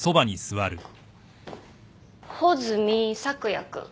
穂積朔也君。